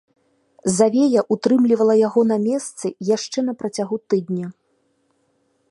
Завея ўтрымлівала яго на месцы яшчэ на працягу тыдня.